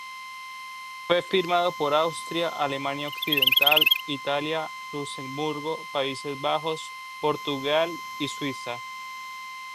Fue firmado por Austria, Alemania Occidental, Italia, Luxemburgo, Países Bajos, Portugal y Suiza.